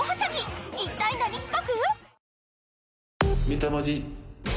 一体何企画？